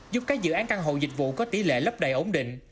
giúp các dự án căn hộ dịch vụ có tỷ lệ lấp đầy ổn định